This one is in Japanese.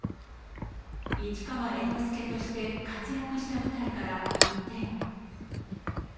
市川猿之助として活躍した舞台から一転。